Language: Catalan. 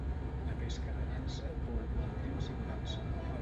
La pesca de nansa vol bon temps i bonança.